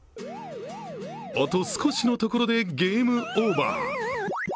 あと少しのところでゲームオーバー。